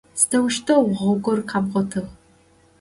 Сыдэущтэу гъогур къэбгъотыгъ?